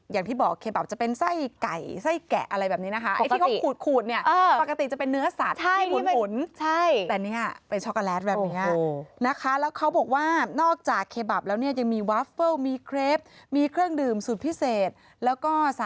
อย่างที่บอกเคบับจะเป็นไส้ไก่ไส้แกะอะไรแบบนี้นะคะ